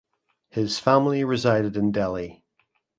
His family resided in Delhi.